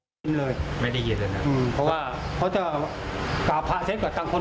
ไม่ได้เห็นเลยนะเพราะว่าเขาจะกราบพระเส้นกับต่างคน